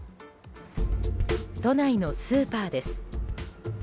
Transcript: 都内のスーパーです。